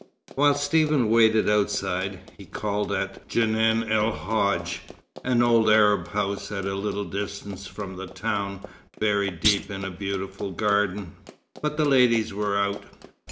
While Stephen waited outside, he called at Djenan el Hadj (an old Arab house at a little distance from the town, buried deep in a beautiful garden), but the ladies were out.